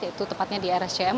yaitu tepatnya di rsjm